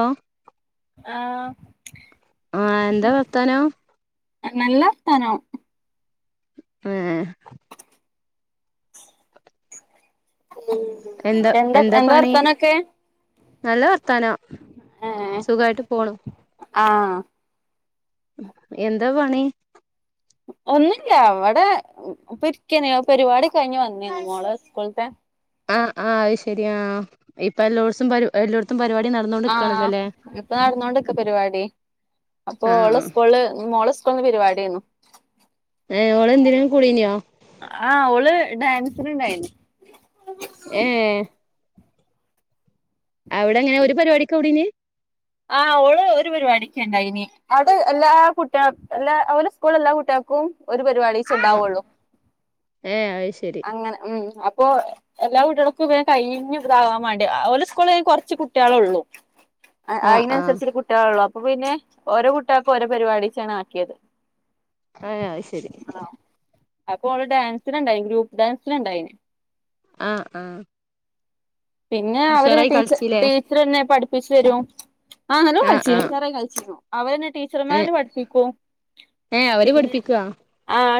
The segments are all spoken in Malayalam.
ഹലോ ആ ആ എന്താ വർത്താനം നല്ലാ വർത്താനം ആ ഉ എന്താ എന്താ വർത്തനൊക്കെ നല്ല വ തനം സുഖവായിട്ട് പോണു ആഹ് എന്താ പണി ഒന്നില്ല ഇവടെ പ്പൊ ഇരിക്കണ് പരിപാടി കഴിഞ്ഞ് വന്നിള്ള് മോളെ സ്കൂൾത്തെ ആ ആ അത് ശരിയ ആ ഇപ്പ എല്ലോടസും പ എല്ലോടത്തും പരിപാടി ആ ആ നടന്നോണ്ട്ക്കാണല്ലോല്ലേ ഇപ്പ നടന്നോണ്ടിക്ക പരിവാടി അപ്പൊ ആ ഓള് സ്കൂള് മോള് സ് ക്കൊന്ന് പരിവാടിന്നും ഏ ഓള് എന്തിനേ കുടീഞ്ഞൊ ഡാൻസിന് ണ്ടായിന് ഏ അവിടെ അങ്ങനെ ഒരു പരിപാടിക്ക കൂടിന് ആ ഓള് ഒരു പരിപാടിക്ക ണ്ടായിഞ്ഞെ ആവ്ട് എല്ലാ കുട്ടിക എല്ലാ അവ സ്കൂള എല്ലാ കുട്ടികൾക്കും ഒരു പരി പാടിച്ച ആ ഉണ്ടാവുള്ളൂ ഏ അത് ശരി അങ്ങനെ ഉം അ പ്പൊ എല്ലാ വീട്ടികൾക്കും വെ കഴിഞ്ഞിഞ്ഞു താകാൻ മാണ്ടി അ ഓല് സ്കൂളെൻ കൊർച്ച് കുട്ട്യേ ളോള്ളു ആ ആ അയിനനുസരിച്ചൊരു കുട്ടികളെ ഉള്ളു പ്പൊ പിന്നെ ഓരോ കുട്ടികൾക്കും ഓരോ പരിപാടിച്ചാണ് ആക്കിയത് അഹ് ശരി അപ്പൊ അവള് ഡാൻസന്ണ്ടായി ഗ്രൂപ്പ് ഡാൻസിന് ണ്ടയിനു ആ ആ പിന്നെ അവര് ഉഷാറായി ടീച്ച കളിച്ചില്ലേ ടീച്ചർന്നെ പഠി പ്പിച്ചരോ ആനല്ലോ ആ കളിച്ചിനി ആ ഉഷാറായി കളിച്ചിരുന്നു അവര്നെ ഏ ടീച്ചർമാര് പഠിപ്പിക്കു ഏ അവര് പിന്നെ പഠിപ്പിക്കാ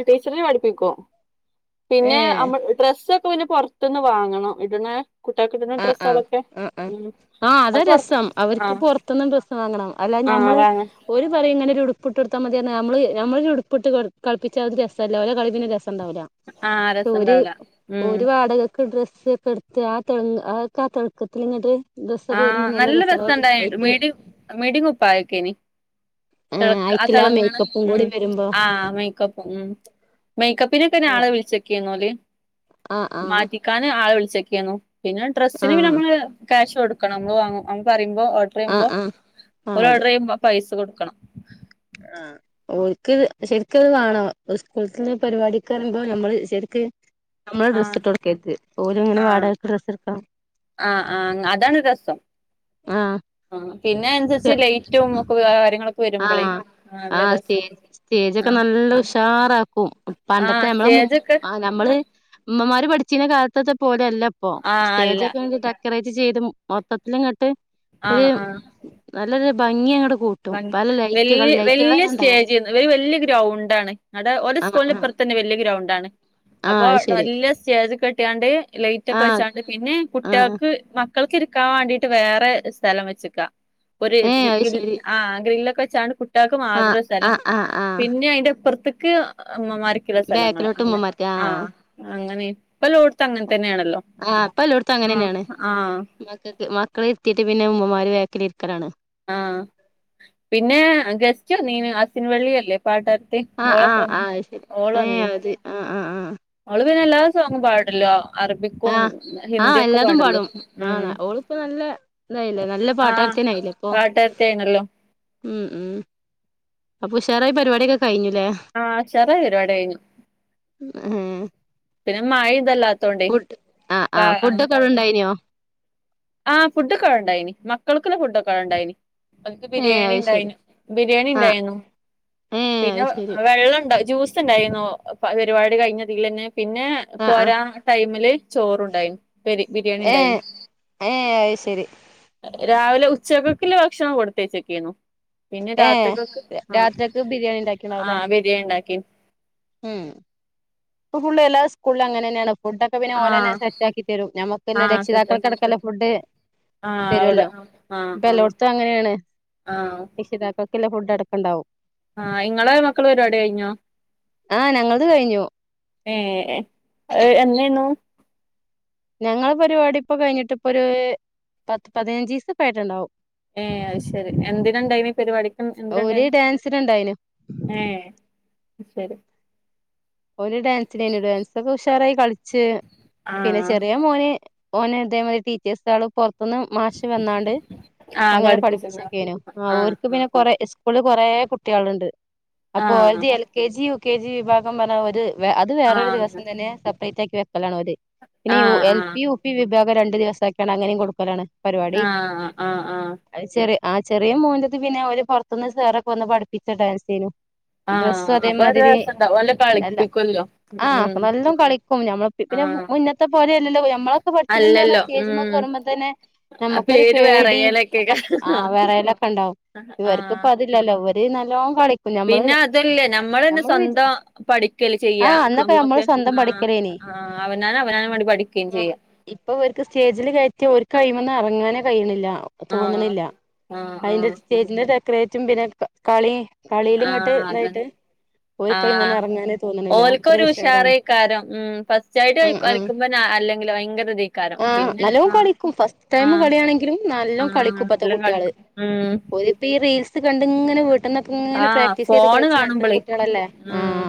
ടീച്ചർന്നെ പഠിപ്പിക്കും പിന്നെ ഏ നമ്മൾ ഡ്രസ്സ്ക് പുവിന്നെ പൊർത്തുന്ന് വാങ്ങണം ഇടണ കുട്ടികൾക്ക് ഇടുന്ന ആ ആ ഡ്രസ്സുകളൊക്കെ ആ് ഉം ആ ആഹ് അതാ അത് പുറത്ത് രസം ആ അവർക്ക് പൊറത്തൊന്നും ഡ്രസ്സ്‌ വാങ്ങണം അല്ലാ ആ ഞമ്മള് വാങ്ങ ഒരു പറയും ഇങ്ങനെ ഒരു ഉടു പ്പ്ട്ട്ടുത്താ മതിയഞ്ഞാ നമ്മള് ഉടുപ്പ് ഇട്ട് കളിപ്പിച്ചാൽ ഒരു രസല്ല ഒരേ കളി രസം ണ്ടാവൂല ആ ഒര് രസണ്ടാവൂല ഉം ഒര് വാടക ക് ഡ്രസ്സ്ക്കെട്ത് ആ തെൾങ് ആക്ക തിളക്കത്തിലെങ്ങട്ട് ആ നല്ല രസം ഉണ്ടായിട്ട മീടി മിടിം കുപ്പായൊക്കെനി ഏഹ് ആ അയ്ക്കില്ല തെളങ്ങണ മേക്കപ്പും കൂടി ഉ വരുമ്പോ ആഹ മേക്കപ്പും ഉം മേക്ക പിന്നെ പിന്നെ അതാ ആളെ വിളിച്ചക്കെനിയോൽ ആഹ് ആഹ് മാറ്റിക്കാണ് ആളെ വിളിച്ച ചെക്ക് ചെയ്യുന്നു പിന്നെ ഡ്രസ്സിന് ആഹ് നമ്മള് ക്യാഷ് കൊടുക്കണം നമ്മള് [unintelligible] ഓർഡർ ആഹ് ചെയ്യുമ്പോ ആഹ് ആഹ് ഒരു അതെ ഓർഡർ ചെയ്യുമ്പോ പൈസ കൊടുക്കും ക്കണം ഓർക്ക് ശരിക്കത് വാണോ സ്കൂളന്ന് പരിപാടിക്ക് പരുപാടിക്കിറങ്ങുമ്പോ നമ്മള് ശരിക്ക് നമ്മള് ആഹ് ഡ്രസ്സിട്ട് കൊടുക്കരുത് ഓര് ഇങ്ങനെ ആഹ് വാടകക്ക് ഡ്രസ്സ് എടുക്കണം ആഹ് ആ ആ പിന്നെ അനുസരിച്ച് ലേറ്റും ആ ആ രസാ സ്റ്റേജ് സ്റ്റേജൊക്കെ ആഹ് നല്ല ഉഷാറാക്കും ആഹ് പണ്ടത്തെ നമ്മള് സ്റ്റേജൊക്കെ ആ നമ്മള് അമ്മമാര് പഠിച്ചിന്റെ കാലത്തത്തെ പോലെയല്ല ഇപ്പോ ആഹ് അല്ല സ്റ്റേജൊക്കെ ആണെങ്കി ഡെക്കറേറ്റ് ചെയ്ത് മൊത്തത്തിലങ്ങട്ട് ആഹ് ആഹ് [unintelligible] ഭംഗിയങ്ങട്ട് കൂട്ടും പല ലൈറ്റുകൾ വല്ല്യ വല്ല്യ ലൈറ്റുകളെന്നെ ഉണ്ടാവും സ്റ്റേജ് ഒരു വല്യ ഗ്രൗണ്ടാണ് ഓൾടെ ആഹ് സ്കൂളിന്റെ ആഹ് ഇപ്പുറത്ത് തന്നെ വലിയ ഗ്രൗണ്ടാണ് ആഹ് അപ്പോ അത് ശരി വല്യ സ്റ്റേജൊ എട്ടാണ്ട് ലൈറ്റ് ഒക്കെ ആഹ് വെച്ചാണ്ട് പിന്നെ ആഹ് കുട്ടികൾക്ക് മക്കൾക്ക് ഇരിക്കാൻ വേണ്ടിട്ട് വേറെ സ്ഥലം വെച്ചക്കുവാ ഒരു ഏഹ് അത് ശരി [unintelligible] ഗ്രില്ലൊക്കെ വെച്ചാണ് കു ട്ടികൾക്ക് ആഹ് മാത്രമേ സ്ഥലം ആഹ് ആഹ് ആഹ് പിന്നെ അതിന്റെ ഇപ്രത്ത് ക്കെയോ അമ്മമാർക്കുള്ള സ്ഥലങ്ങള് ബാക്കിലോട്ട് അങ്ങനെ ഉമ്മമാർക്ക് ആ ആഹ് അങ്ങനെ അപ്പ ലോടുത്ത് അങ്ങനെ തന്നെയാണല്ലോ ആഹ് ഇപ്പ എല്ലോട്ത്തും ആ അങ്ങനെന്നെയാണ് ആഹ് മക്കൾക്ക് മക്കളെ ഇരുത്തിയിട്ട് പിന്നെ ഉമ്മ്മാര് ബാക്കലിരിക്കലാണ്- ആ പിന്നെ ജസ്റ്റ് ഒന്ന് അച്ഛൻ വെളിയിൽ അല്ലേ? പാട്ടത്തി ആഹ് ഓള്എപ്പോ ആഹ് വന്നു ആഹ് അത് ശരി ഓള് ഏഹ് വന്നേനി അത് ആഹ് ആഹ് ആഹ് ഓള് - പിന്നെല്ലാതെ സോങ് പാട്ല്ലോ? ആഹ് ആഹ എല്ലാതും പാടും ആ ഉം ഓളിപ്പോ നല്ല ഇതായില്ല നല്ല പാട്ടക്കാനായല്ലോ? പാട്ടത്തെ ആയിണല്ലോ? ഉം ഉം അപ്പൊ ഉഷാറായ പരിപാടിയൊക്കെ കഴിഞ്ഞു- ആഹ് ചെരേറു പരിപാടി രുന്ന് ഏഹ് പിന്നെ മഴ ഇതല്ല ഫുഡ് ആ ആ് ഫുഡോക്കെ അവിടെണ്ടായിനോ ആ് ഫുഡ്ക്കെ അവിട ഉണ്ടായിനി മക്കൾക്കുള്ള ഫുഡൊക്കെ വിടെ ഉണ്ടായിനി അനക് ഏഹ് ബിരിയാണി അത് ശരി ഇണ്ടായിന് ബിരിയാണി ആഹ് ഇണ്ടായിരുന്നു ഏഹ് പിന്നെ അത് ശരി വേ ജ്യൂ സ് ണ്ടായിരര്ന്നു പരുപാട് കഴിഞ്ഞ അതിൽ തന്നെ പിന്നെ ആഹ് ആഹ് പോരാ ടൈമില് ചോറുണ്ടായിന് ബിരിയാണി ഉണ്ടായിന് അായ ശരി രാവിലെ ഉച്ചക്കക്കില് ഭക്ഷണം കൊടുത്തേച്ചക്കെരുന്നു പിന്നെ ഏഹ് രാത്രികൾക്ക് ആ രാത്രിക്ക് ബിരിയാണി ആ ഉണ്ടാക്കിണ്ടാവുല്ലേ ബിരിയാണിണ്ടാക്കി ഉം ഫുള്ള എല്ല സ്കൂളിൽ അങ്ങനെ തന്നെയാണ് ഫുഡ് ഒക്കെ പിന്നെ ഓലെന്നെ ആഹ് സെറ്റ് ആക്കി തരും നമുക്ക്ല്ല ആഹ് സെറ്റാക്കി രക്ഷിതാക്കൾക്ക്ടക്കല്ല ഫുഡ് ആഹ് അവിടെ തരുവല്ലോ ആഹ് ഇപ്പ ആഹ് എല്ലോടത്തും അങ്ങനെയാണ് ആഹ് രക്ഷിതാക്കൾ ഇല്ല ഫുഡ് എടുക്കുണ്ടാവും ആഹ് ഇങ്ങളെ മക്കൾ പരിപാടി കയിഞ്ഞോ ആ നങ്ങളത് കയി ഞ്ഞു ഏഹ് അത് എന്നേന്നു? ഞങ്ങൾ പരിപാടി ഇപ്പോ കഴിഞ്ഞിട്ടിപ്പൊ ഒരു പത്ത് പതിനഞ്ചിസം ആയിട്ടുണ്ടാവും ഏ അത് ശരി എന്തിനുണ്ടായിനി പരിപാടിക്കും ഓര് എന്തിനുണ്ടായിന് ഡാൻസിനുണ്ടായിനു ഏ ശരി ഒരു ഡാൻസിന് ഡാൻസ് ഓ റായി കളിച്ച് പിന്നെ ആഹ് ചെറിയ മോന് ഓന് അതേമാതിരി ടീച്ചേർസ് ആണിപ്പോ ഒന്ന് മാഷ് വന്നാണ്ട് ആഹ് അങ്ങനെ പഠിപ്പിച്ചിണ്ടോ? പഠിപ്പിച്ചേക്കെനു ആഹ് ഓർക്കു ആഹ് പിന്നെ കൊറെ സ്കൂളി കൊറേ കുട്ടികളുണ്ട് അപ്പൊ ആഹ് അത് L K G U K G വിഭാ [unintelligible] വ് അത് വേറൊരു ദിവസം ആഹ് തന്നെയാ സെപ്പറേറ്റ് ആക്കി വെ [unintelligible] പിന്നെ യു ആഹ് എൽ പി ആഹ് യൂ പി ഉപയോഗം രണ്ട് ദിവസം ആക്കിയത് കൊണ്ട് അങ്ങനെയും കൊടുക്കല്ലാണ് ആ ആ ആ ചെറിയ ആ ചെറിയ മോന്റത് പിന്നെ അവര് പൊറത്തുന്നു സാറൊക്കെ വന്ന് പഠിപ്പിച്ച ഡാൻസ് അയീനു ആ അപ്പം അത് രസവുണ്ടാവും അല്ലേ വേണ്ട ആ നല്ലം കളിക്കും ഞമ്മള് പിന്നെ ആഹ് മുന്നത്തെ പോലെ [unintelligible] നമ്മളൊക്കെ പഠിച്ചന്ന് പറഞ്ഞാ അല്ലല്ലോ സ്റ്റേജ് മേൽ ഉം കേറുമ്പാതെന്നു ആ നമുക്കൊരു പേര് പേടി വേറെയാലൊക്കെ ഒക്കെ ആ വെറായലൊക്കെ ഉണ്ടാവും ഇവർക്ക് ആഹ് ഇപ്പോ അതില്ലല്ലോ ഇവ ദി നല്ലോം കളിക്കും ഞമ്മള് പിന്നെ അതല്ലേ നമ്മൾന്നെ ഞമ്മള് സ്വന്തം പഠി ല് ചെയ്യാ ആഹ് അന്നൊക്കെ നമ്മള് അമ്മക്കെ സ്വന്തം ആ പഠിക്കലേനി അവന അവനേണ്ടി പഠിക്കുകയും ആഹ് ചെയ്യാം ന്ന് ഇറങ്ങാനെ കഴിയുണില്ല. ആഹ് തോന്നണില്ല ആഹ് അതിന്റെ ആഹ് സ്റ്റേജിന്റെ ക്രേറ്റും പിന്നെ കളി കളിയില് ഇങ്ങോട്ട് ഇതായിട്ട് ഒരു കൈ മന്ന ഓലക്ക് ഒരു ഉഷാറേകാരം ഉം ഫസ്റ്റ്യായിട്ടു ക ആഹ് ആഹ് കളിക്കുമ്പോ അല്ലെങ്കില് ഭയങ്കര ധികാരം ആഹ് പിന്നെ നല്ലോം ആ കളിക്കും ഫസ്റ്റ് ആ ടൈം കളിയാണെങ്കിലും ആ നല്ലോം കളിക്കും ഇപ്പത്തെ എല്ലാം കളിക്കും ഉം ത്തെ കണ്ടു ഇങ്ങനെ പെട്ടന്നൊക്കെ ഇങ്ങനെ ആഹ് പ്രാക്ടീസ് ചെയ്ത് ഫോണ് കളിച്ച് നടക്കുന്ന കുട്ടികളല്ലേ ആ ആ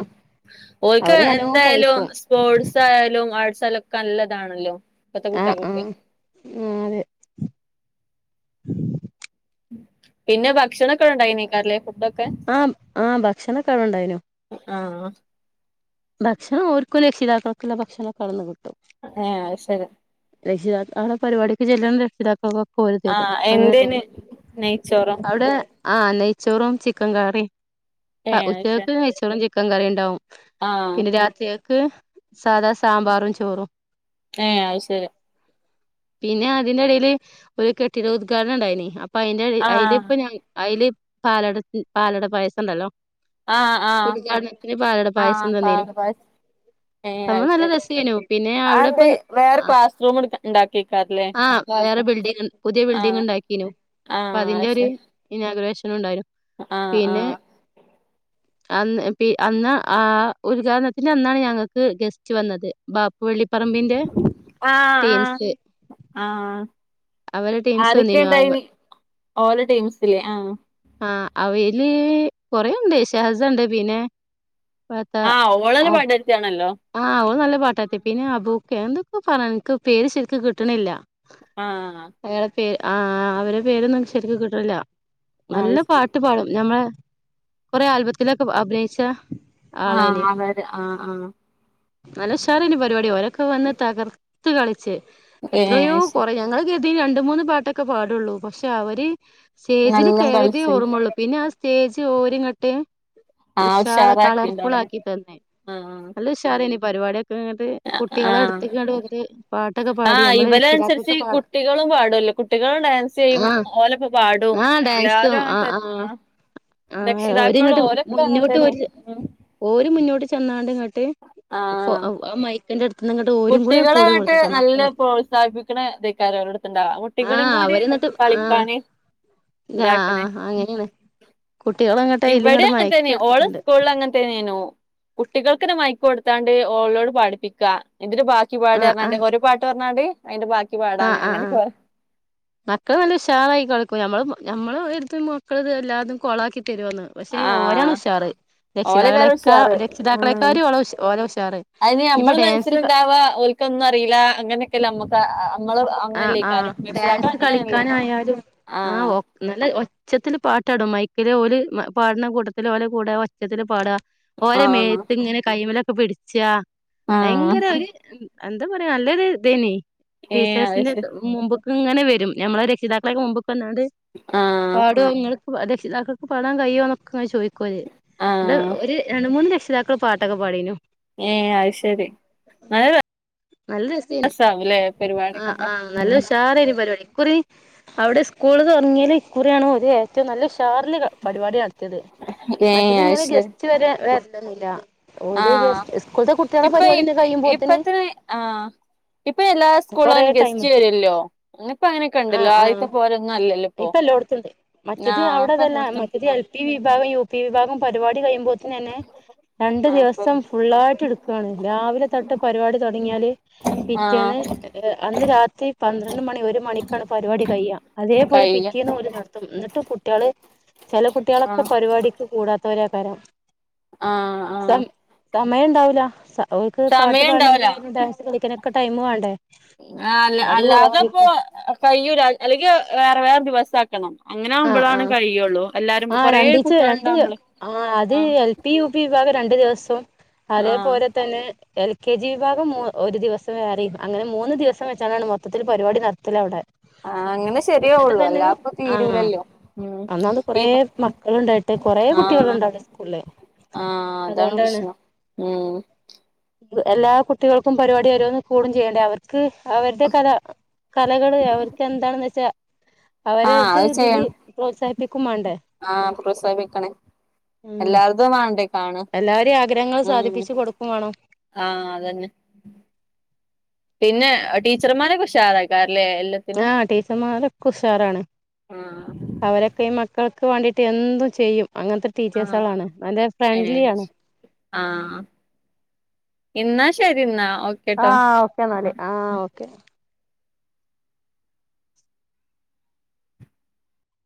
ഓൽക്ക എന്തായാലും സ്പോർട്സ് ആയാലും ആഴ്സോലൊക്കെ നല്ലതാണല്ലോ ഇപ്പത്തെ ആ ആ കുട്ടികൾക്കൊക്കെ ആ അതെ പിന്നെ ഭക്ഷണൊക്കെ ഉണ്ടായി നീക്കാറല്ലേ ആ ആ ഭക്ഷണൊക്കെ അവിടെണ്ടായിനു ആ ആ ഭക്ഷണം ഓൽക്കും രക്ഷിതാക്കൾക്കുള്ള ഭക്ഷണം ക്കെ അവ്ട്ന്നു കിട്ടും. ഏ അ ശര രക്ഷിതാക്ക ആ പരിപാടിക്ക് ചെല്ലുന്ന രക്ഷിതാക്കക്കോ ആ എന്തേനി നെയ്ച്ചോറോ? ആ നെയ്ച്ചോറും ചിക്കൻ കറിം. ആ ഏഹ് അത് ശരി ഉച്ചക്കക്ക് നെയ്ച്ചോറും ചി ചിക്കൻകറി ണ്ടാവും. ആഹ് പിന്നെ രാത്രി ക്ക് സാധാ സാമ്പാറും ചോറും. ഏഹ് അത് സെരി പിന്നെ അതിനെടെല് ഒരു കെട്ടിടാ ഉദ്ഘാടനം ഉണ്ടായിനി അ പ്പൊ അയിന്റെ അതില് ആഹ് ഇപ്പ ഞാൻ അയില് പാലട പാലട പായസം ഒണ്ടല്ലോ ആഹ് ആഹ് പായസം ആഹ് തന്നീനു ആഹ് ഏഹ് അത് സംഭവം നല്ല ശെരി രസേനു പിന്നെ അവിടെ ഇപ്പ ആയെന്തെ വേറെ ക്ലാസ് റൂം എടു ക്കണ്ട ആഹ് വേറെ ബിൽഡിങ് പുതിയ ബിൽഡിങ് ആഹ് ഉണ്ടാക്കീനു അപ്പോ അതിന്റെ ഒരു ഇനാ ഗുരേഷൻ ഉണ്ടായിന്നു അ ആഹ് ആഹ് അന്ന് പി അന്ന് ആ ഉദ്ഘാടനതിന്റെ അന്നാണ് ഞങ്ങൾക്ക് ഗസ്റ്റ് വന്നത്. വാ വെള്ളിപ്പറമ്പിന്റെ ആഹ് ആഹ് ടീംസ്. ആഹ് അവരെ ടീംസ് ആരൊക്കെ വന്നിരുന്നു അവ ഇണ്ടായിനി ഓല ടീംസിലെ ആഹ് ആ അവയില് കൊറേണ്ട് സെഹസ ഉണ്ട് പിന്നെ ആഹ് ഓളന്ന് പാടുവത്തിയാണല്ലോ ആഹ് ഓൾ നല്ല പാട്ടാര്ത്തിയ പിന്നെ അബുക്കെ എന്തൊക്കെ പറ എനിക്ക് പേര് ശരിക്കും കിട്ട്ണില്ല. ആഹ് എ ആഹ് ആഹ് അവരെ പേരൊന്ന് ശരിക്കും കിട്ട്ണില്ല അത് നല്ല ശരി പാട്ട് പാടും ഞമ്മളെ കൊറെ ആൽബത്തിലൊക്കെ അഭിനയിച്ച ആഹ് ആളേനു അതത് ആഹ് ആഹ് നല്ല ഉഷാറയ്നി പരിപാടി ഓരൊക്കെ വന്ന് തകർത്ത് കളി ച്ച് എത്രയോ ഏഹ് കൊറെ ഞങ്ങൾ കേ ഇ രണ്ട് മൂന്ന് പാട്ടൊക്കെ പാടുള്ളൂ പക്ഷെ അവര് സ്റ്റേജിൽ നല്ലോം കേറിതെ കളിച്ചും ഓർമ്മുള്ളൂ പിന്ന പേജ് ഓര് ങ്ങട്ട് ആ ഉഷാറാക്കിണ്ടോ [unintelligible] തന്നെ ആ നല്ല ഉഷാറേയ്ന് പരുവാടി ആഹ പാട്ടൊക്കെ ആ പാടി നമ്മള് ഇവരെ അനുസരിച്ച് രക്ഷിതാക്കൾക്ക് പാട കുട്ടികളും പാടുല്ലോ കുട്ടികളും ഡാൻസ് ചെയ്യും ആഹ് ഓലൊപ്പ പാടും ആഹ് എല്ലാരും ഡാൻസും അങ്ങൻ ആഹ് തെ ആഹ് ആഹ് രക്ഷിതാക്കളും ഓരിങ്ങട്ട് ഓലൊക്കെ അങ്ങൻ മുന്നോട്ട് തെന്നെ ഓര് ഓര് മുന്നോട്ട് ചെന്നാണ്ട് ക ട്ട് ഫോ അ അ മൈക്കൻ്റട് കുട്ടികളെങ്ങട്ട് നല്ല പ്രോത്സാഹിപ്പിക്കണ തെക്കാരം ഓരെട്ത്ത്ണ്ടാവ ആ അവര് ന്നട്ട് ആ ഇല്ല ആ ഇതാക്കണേ ആ അങ്ങെനെണ് കുട്ടി ഇവിടെ അങ്ങൻത്തെന്നെ ഓള് സ്കൂൾ ള് അങ്ങൻ തെന്നെന്നു കുട്ടികൾക്കെന്നെ ഭയ കൊട്ത്താണ്ട് ഓളോട് പഠിപ്പിക്ക എന്നിട്ട് ബാക്കി പാടാർഞ്ഞാണ്ട് ഒരു പാട്ട് പർഞ്ഞാണ്ട് അയ്ൻ്റെ ബാ ആ ആ ആ മക്കള് നല്ല ഉഷാറായി കളിക്കും ഞമ്മള് ഞമ്മള് ഒരിടത്തു മക്കള് ഇത് എല്ലാതും കൊളക്കി ആ രക്ഷിതാക്കളെക്കാ ഓലേക്കാരുഷാറ് ഉം രക്ഷിതാക്കളെക്കാരും ഓള ഉഷ് ഓല ഉഷാറ് അയ്ന് ഇനിയിപ്പോ നമ്മള് ഡാൻസ് ക മനസ്സിലുണ്ടവാ ഓല്ക്കൊന്നൊറീല അങ്ങനൊക്കെല്ല നമ്മുക്ക് അ ആ ആ ആ ഡാൻസ് അങ്ങനെയല്ലേ കളിക്കാനായാലും ആ ആഹ് ഒ നല്ല ഒച്ചത്തിൽ പാ ട്ടിടും മൈക്കില് ഓര് മ പാട്ണകൂട്ടത്തില് ഓലെകൂട ഒച്ചത്തിൽ പാടാ ഓരേ ആഹ് മേത്ത് ങ്ങനെ കൈമലൊ ഒക്കെ പിടിച്ചാ ആഹ് ഭയങ്കര ഒര് എന്താ പറയ നല്ലൊരു ദേനി ഏ അ ങ്ങൾക്ക് മുമ്പ് ഇങ്ങനെ വരും നമ്മള രക്ഷിതാക്കളെക്കെ മുമ്പ് പ്പന ത് ആഹ് പാടോ ഇങ്ങൾ രക്ഷിതാക്കൾക്ക് പാടാൻ കയ്യോ ന്നൊക്കെങ്ങനെ ചോയ് കോര് ത ആഹ് ഒര് രണ്ട്മൂന്ന് രക്ഷ് താക്കള് പാട്ടൊക്കെ പാടീനു ഏ അഅ് ശെരി നല്ല നല്ല രസേനി രസാവുല്ലേ ആ പരിപാടിയൊക്കെ ഉണ്ട ആ നല്ല ഉം ഉഷാറേനി പരിപാടി ഇകുറി അവിടെ സ്കൂള് തൊടങ്ങെയ്‌ല് ഇക്കുറിയാണ് ഏറ്റവും നല്ല ഉ ഷാർല് ക പരിപാടി നടത്തിയത് ഏഹ് മറ്റേത് അത് ഇങ്ങനെ ശരി ഗസ്റ്റ് വരെ വ അറിയില്ല ഒര് ആഹ് ഗെസ് സ്കൂള്ത്തെ കുട്ട്യേളെ പരിപാടിന്നെ കയ്യുമ്പോത്ത് ന് ആ ഇപ്പൊ എല്ലാ സ്കൂളുംനി ടൈം ഗസ്റ്റ് എടുക്കും വരുല്ലോ ഇന്ന് പൊ അങ്ങനെക്ക ണ്ടല്ലോ ആദ്യത്തെ പോലൊന്നൊല്ല ഇപ്പല്ലോട്ത്തും ണ്ട്. മറ്റേത് അവിടെ ഇപ്പൊ അതല്ല എല്ലോടത്തും മറ്റത് എൽ വിഭാഗം, യു പി വിഭാഗം പരിപാടി കഴിമ്പോ തന്നെ രണ്ട് ആഹ് ദിവസം ഫുള്ളായിട്ട് ഇട് ക്കാണ്. രാവിലെ തൊട്ട് പരിവാടി തൊട്ങ്ങിയാല് ആഹ് പിറ്റേന്ന് അന്ന് രാത്രി പന്ത്രണ്ട് മണി ഒരു മണിക്കാണ് പരിപാടി കഴിയ അതെ പ്പോല് കയ്യ പിറ്റേന്ന് ഓല് നട്ത്തും. ന്ന്ട്ട് കുട്ടിയേള് ചെല കുട്ടിയളൊക്കെ പരിവാടിക്ക് കൂടാത്തവര കരം. ആ ആ സമയംണ്ടാവൂല സ അവൾക്ക് പാട്ട് പാടണെങ്കിലും ഡാൻസ് കളിക്കണെ ക്കെ ടൈമ് വാണ്ടേ ആ അല്ല അല്ലാതപ്പോ കയ്യൂല. അല്ലെങ്കി വേറെ വേ പസാക്കണം ആ ആഹ് ആ കൊറേ രണ്ടീചെ കുട്ടികൾ രണ്ട് ഉണ്ടാവുമ്പോളേ ആ അത് ആഹ് എൽ പി യു പി വിഭാഗം രണ്ടു ദിവസും ആഹ് അതേപോലെ തന്നെ എൽ കെ ജി വിഭാഗം മൂ ഒരു ദിവസം വേറിം അങ്ങനെ മൂന്ന് ദിവസം വെച്ചാലാണ് മൊത്തത്തിൽ പരിപാടി നടത്തല് അവിടെ ആഹ് അങ്ങനെ എന്നിട്ട് ശരിയാവുള്ളു തന്നെ അല്ലാപ്പ ആഹ് തീരൂലൽ ഒന്നാമത് കൊറേ മക്കളുണ്ടായിട്ട് [unintelligible] കൊറേ ആഹ് കുട്ടികളുണ്ട് അവിടെ സ്കൂളില് ആഹ് അതാണ് അതുകൊണ്ടാണ് പ്രശ്നം ഉം എല്ലാ കുട്ടികൾക്കും പരിപാടി ഓരോന്ന് കൂടും ചെയ്യേണ്ടേ അവർക്ക് അവരുടെ കല കലകള് അവർക്ക് എന്താണെന്ന് വെച്ചാ ആഹ് അവരത് അത് ഇതില് ചെയ്യണം പ്രോത്സാഹിപ്പിക്കും വേണ്ടേ ആഹ് പ്രോത്സാഹിപ്പിക്കണേ എല്ലാര്തും വാ എല്ലാവാരേം ആഗ്രഹങ്ങൾ സാധിപ്പിച്ചു കൊടുക്കും വാണം ആഹ് അതന്നെ പിന്നെ ടീച്ചർമാരൊക്കെ ഉഷാറായി കാ ആഹ് ടീച്ചർമാരൊക്കെ ഉഷാറാണ് ആഹ് അവരൊക്കെ ഈ മ മക്കൾക്ക് വാണ്ടിട്ട് എന്തും ചെയ്യും അങ്ങനത്തെ ആഹ് ടീച്ചേഴ്സെളാണ് നല്ല ഫ്രണ്ട്ലി ഏഹ് ആണ് ശരിന്നാ ആ ഓക്കെ ന്നാല് ആഹ് ഓക്കെ